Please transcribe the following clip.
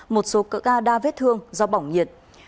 một số cỡ ca đa vết thương do bỏng nhiệt